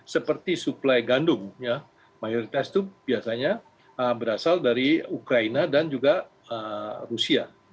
seperti suplai gandum mayoritas itu biasanya berasal dari ukraina dan juga rusia